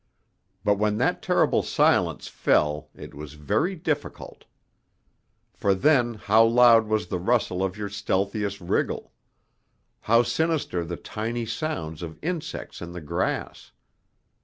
But when that terrible silence fell it was very difficult. For then how loud was the rustle of your stealthiest wriggle, how sinister the tiny sounds of insects in the grass.